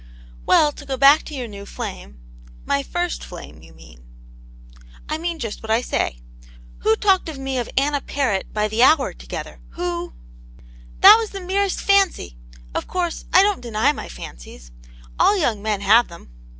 " Well, to go back to your new. flame "" My first flame, you mean." I mean just what I say. Who talked to me of Anna Perrit by the hour together } Who " "That was the merest fancy. Of course, I don't deny my fancies. All young men have them."